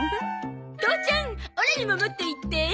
父ちゃんオラにももっと言って！